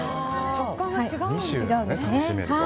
食感が違うんですね。